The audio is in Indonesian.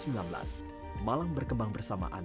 malang berkembang bersamaan dengan jawa timur